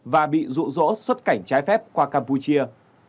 và bị rụ rỗ xuất cảnh trái phép qua campuchia